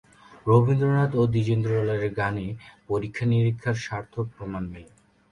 রবীন্দ্রনাথ ও দ্বিজেন্দ্রলালের গানে এ পরীক্ষা-নিরীক্ষার সার্থক প্রমাণ মেলে।